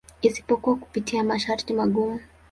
Isipokuwa kupitia masharti magumu.